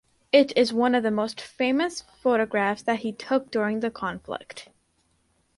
It is one of the most famous photographs that he took during the conflict.